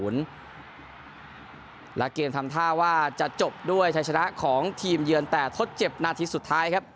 และเกมทำท่าว่าจะจบด้วยชายชนะของทีมเยือนแต่ทดเจ็บนาทีสุดท้ายครับ